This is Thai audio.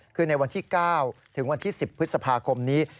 คือในวันที่๙ถึงวันที่๑๐พฤษภาคมนี้